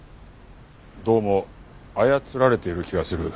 どうも操られている気がする。